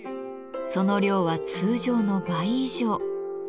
その量は通常の倍以上。